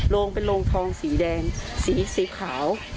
โรงเป็นโรงทองสีแดงสีขาว